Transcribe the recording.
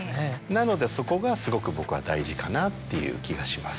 なのでそこがすごく僕は大事かなっていう気がします。